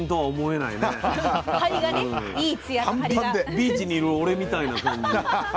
ビーチにいる俺みたいな感じ。